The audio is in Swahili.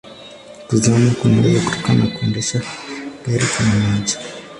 Kuzama kunaweza kutokana na kuendesha gari kwenye maji.